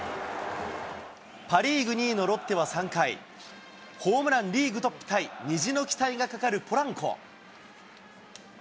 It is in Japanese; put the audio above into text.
パ・リーグ２位のロッテは３回、ホームランリーグトップタイ、虹の期待がかかるポランコ。